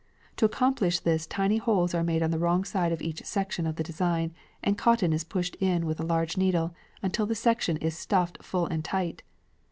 To accomplish this tiny holes are made on the wrong side of each section of the design and cotton is pushed in with a large needle until the section is stuffed full and tight.